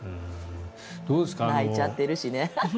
泣いちゃってるしね。